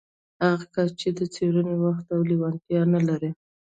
هغه کس چې د څېړنې وخت او لېوالتيا نه لري.